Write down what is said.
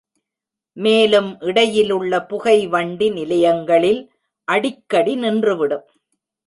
மேலும் இடையிலுள்ள புகை வண்டி நிலையங்களில் அடிக்கடி நின்று விடும்.